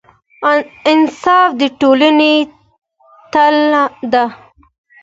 انصاف د ټولنې تله ده.